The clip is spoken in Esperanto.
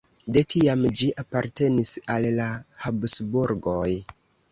De tiam ĝi apartenis al la Habsburgoj.